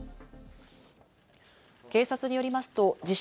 警察によりますと自称